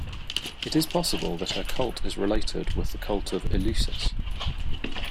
It is possible that her cult is related with the cult of Eleusis.